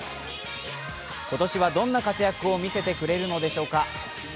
今年はどんな活躍を見せてくれるのでしょうか。